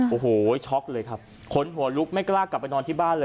โอ้โหช็อกเลยครับขนหัวลุกไม่กล้ากลับไปนอนที่บ้านเลย